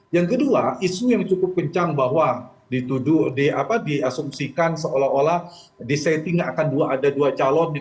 yang kedua isu yang cukup kencang bahwa di asumsikan seolah olah disetting ada dua calon